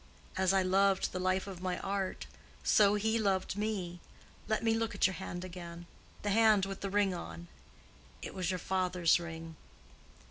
As I loved the life of my art, so he loved me. Let me look at your hand again: the hand with the ring on. It was your father's ring."